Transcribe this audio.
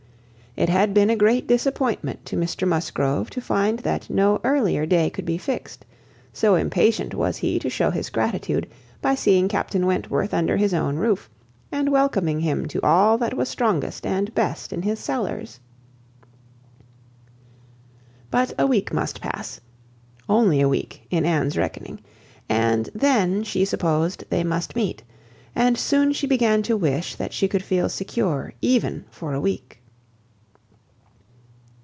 It had been a great disappointment to Mr Musgrove to find that no earlier day could be fixed, so impatient was he to shew his gratitude, by seeing Captain Wentworth under his own roof, and welcoming him to all that was strongest and best in his cellars. But a week must pass; only a week, in Anne's reckoning, and then, she supposed, they must meet; and soon she began to wish that she could feel secure even for a week.